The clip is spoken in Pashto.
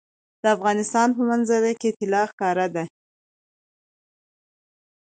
د افغانستان په منظره کې طلا ښکاره ده.